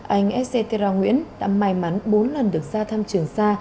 anh ezzetera nguyễn đã may mắn bốn lần được ra thăm trường xa